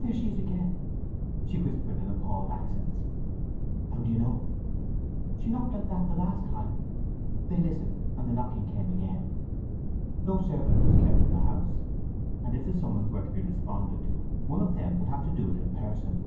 "There she is again!" Sue whispered in appalled accents. "How do you know?" "She knocked like that last time." They listened, and the knocking came again. No servant was kept in the house, and if the summons were to be responded to one of them would have to do it in person.